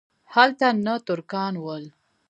هلته نه ترکان ول.